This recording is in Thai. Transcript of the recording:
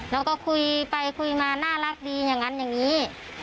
แล้วก็คุยไปคุยมาน่ารักดีอย่างนั้นอย่างนี้